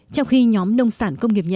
trong khi nhóm nông sản công nghiệp nhẹ